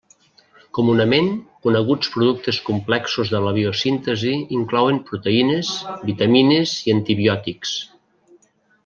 Comunament, coneguts productes complexos de la biosíntesi inclouen proteïnes, vitamines i antibiòtics.